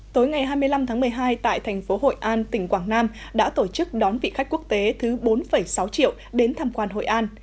tối ngày hai mươi năm tháng một mươi hai tại thành phố hội an tỉnh quảng nam đã tổ chức đón vị khách quốc tế thứ bốn sáu triệu đến tham quan hội an